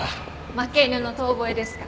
負け犬の遠吠えですから。